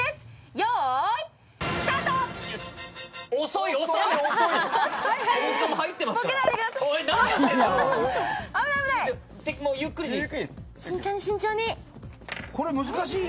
遅い、遅い。